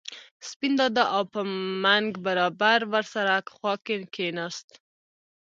سپین دادا او په منګ برابر ور سره خوا کې کېناست.